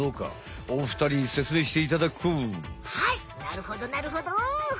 なるほどなるほど。